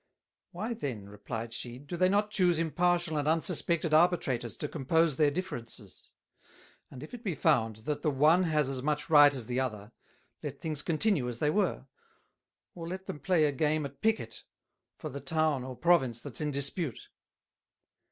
"Why then," replied she, "do they not chuse Impartial and Unsuspected Arbitrators to compose their Differences? And if it be found, that the one has as much Right as the other, let things continue as they were; or let them play a game at Picket, for the Town or Province that's in dispute."